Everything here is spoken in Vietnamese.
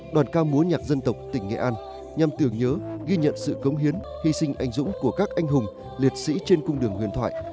đoàn ca múa nhạc dân tộc tỉnh nghệ an nhằm tưởng nhớ ghi nhận sự cống hiến hy sinh anh dũng của các anh hùng liệt sĩ trên cung đường huyền thoại